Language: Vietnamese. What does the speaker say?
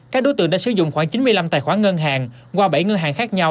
các đối tượng đã sử dụng khoảng chín mươi năm tài khoản ngân hàng qua bảy ngân hàng khác nhau